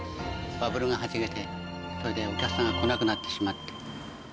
バブルがはじけて、それでお客さんが来なくなってしまって。